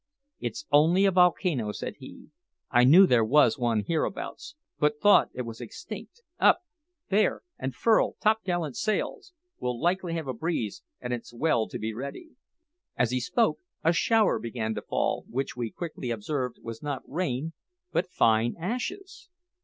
"It's only a volcano," said he. "I knew there was one hereabouts, but thought it was extinct. Up, there, and furl topgallant sails! We'll likely have a breeze, and it's well to be ready." As he spoke, a shower began to fall, which, we quickly observed, was not rain, but fine ashes.